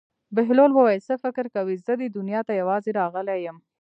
بهلول وویل: څه فکر کوې زه دې دنیا ته یوازې راغلی یم.